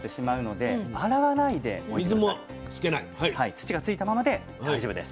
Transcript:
土がついたままで大丈夫です。